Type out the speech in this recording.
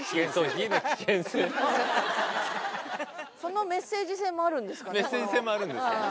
そのメッセージ性もあるんですかね？